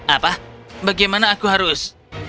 apa bagaimana aku harus